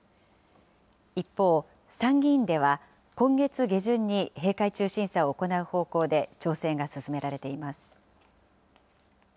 一方、参議院では、今月下旬に閉会中審査を行う方向で調整が進められています。